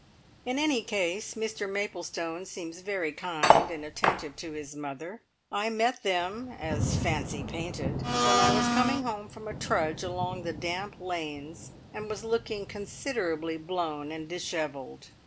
In any case, Mr Maplestone seems very kind and attentive to his mother. I met them (as fancy painted!) when I was coming home from a trudge along the damp lanes, and was looking considerably blown and dishevelled.